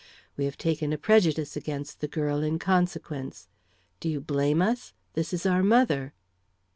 We have taken a prejudice against the girl, in consequence. Do you blame us? This is our mother."